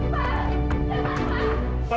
pak jangan pak